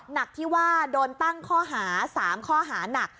หนักที่ว่าโดนตั้งข้อหา๓ข้อหานัก